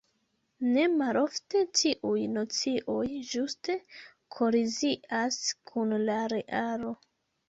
Ne malofte tiuj nocioj ĝuste kolizias kun la realo.